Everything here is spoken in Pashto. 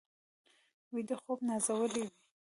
ویده خوب نازولي وي